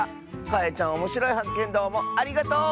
かえちゃんおもしろいはっけんどうもありがとう！